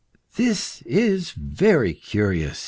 "This is very curious!"